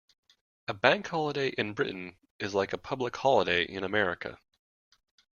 A Bank Holiday in Britain is like a public holiday in America